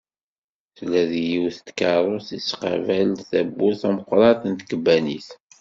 Tella deg yiwet tkerrust tettqabal-d tawwurt tameqqrant n tkebbanit.